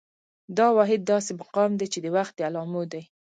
دا واحد داسې مقام دى، چې د وخت د علامو دى